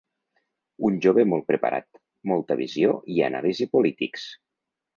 Un jove molt preparat, molta visió i anàlisi polítics.